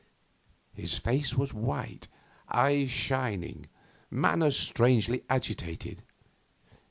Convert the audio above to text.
His face was white, eyes shining, manner strangely agitated.